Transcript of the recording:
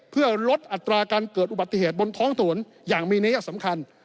เพื่อลดอัตราการเกิดอุบัติเหตุบนท้องถนนอย่างมีนัยสำคัญ